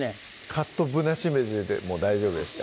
カットぶなしめじでも大丈夫ですか？